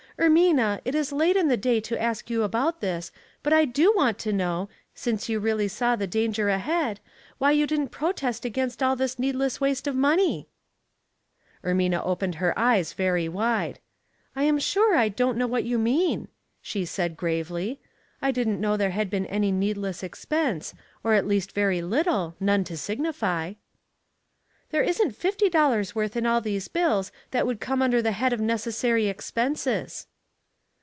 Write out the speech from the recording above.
'Ermina, it is late in the day to ask you about this, but I do want to know, since you really saw the danger ahead, why you didn't protest against all this needless waste of money ?" Ermina opened her eyes very wide. " I am sure I don't know what you mean," she said, gravely. " I didn't know there had been any needless expense, or at least very little, none to signify.'* " There isn't fifty dollars' worth in all these bills that would come under the head of neces sary expenses."